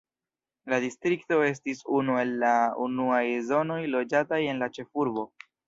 La distrikto estis unu el la unuaj zonoj loĝataj en la ĉefurbo.